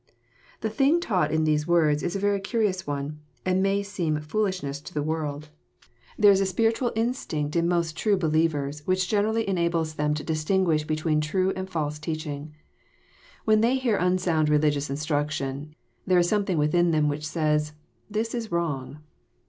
The thing taught in these words is a very curious one, and may seem '' foolishness " to the world. There is a JOHN, CHAP. X. 177 Bpiritna] instinct in most trae believers, which generally enables them to distinguish between true and false teaching. When they hear unsound religious instraction, there is something within them which says, "This is wrong."